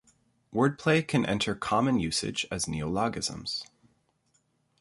Word play can enter common usage as neologisms.